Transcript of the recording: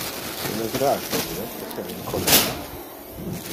Il es rar pro ille esser in cholera.